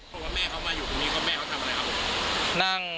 พูดว่าแม่เขามาอยู่ตรงนี้เพราะแม่เขาทำอะไรครับ